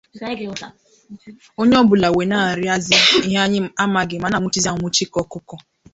Onye ọbụla wee na-arịazị ihe anyị amaghị ma na-anwụchuzị anwụchu ka ọkụkọ